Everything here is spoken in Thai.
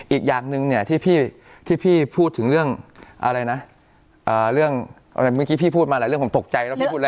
อีกอย่างหนึ่งเนี่ยที่พี่พูดถึงเรื่องอะไรนะเรื่องอะไรเมื่อกี้พี่พูดมาหลายเรื่องผมตกใจแล้วพี่พูดอะไร